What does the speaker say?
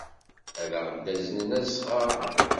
Ad aɣ-d-aznen asɣar.